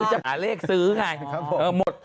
หาเลขซื้อไงหมด